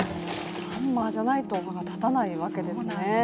ハンマーじゃないと歯が立たないわけですね。